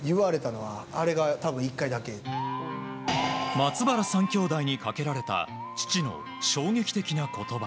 松原３兄弟にかけられた父の衝撃的な言葉。